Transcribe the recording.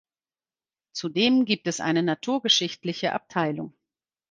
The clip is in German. Zudem gibt es eine naturgeschichtliche Abteilung.